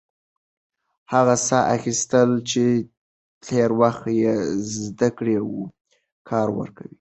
هغه ساه اخیستل چې تېر وخت يې زده کړی و، کار ورکوي.